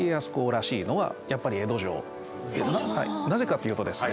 なぜかというとですね